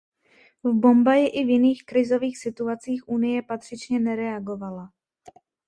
V Bombaji, i v jiných krizových situacích, Unie patřičně nereagovala.